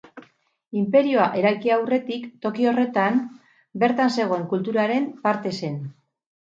Inperioa eraiki aurretik toki horretan bertan zegoen kulturaren parte zen.